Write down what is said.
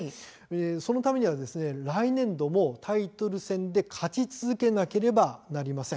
そのためには来年度もタイトル戦で勝ち続けなければなりません。